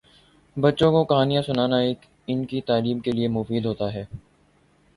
بچوں کو کہانیاں سنانا ان کی تعلیم کے لئے مفید ہوتا ہے۔